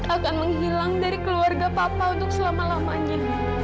akan menghilang dari keluarga papa untuk selama lamanya